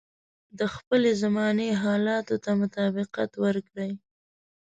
د خپلې زمانې حالاتو ته مطابقت ورکړي.